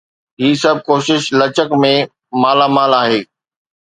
هي سڀ ڪوشش لچڪ ۾ مالا مال آهي.